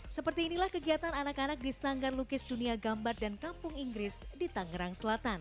seperti inilah kegiatan anak anak di sanggar lukis dunia gambar dan kampung inggris di tangerang selatan